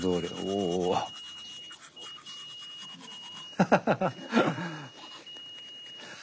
ハハハハ。